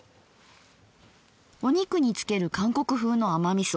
お肉に付ける韓国風の甘みそ。